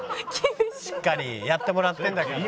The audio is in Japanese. しっかりやってもらってるんだから。